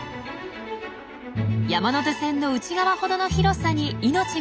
山手線の内側ほどの広さに命がひしめき